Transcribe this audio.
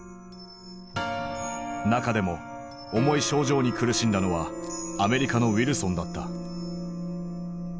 中でも重い症状に苦しんだのはアメリカのウィルソンだった。